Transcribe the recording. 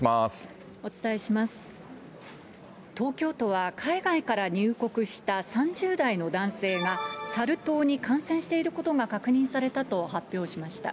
東京都は海外から入国した３０代の男性がサル痘に感染していることが確認されたと発表しました。